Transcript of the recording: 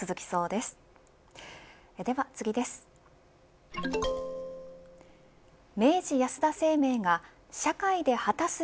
では次です。